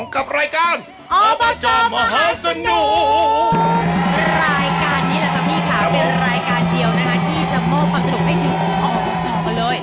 กับรายการอบจมหาสนุก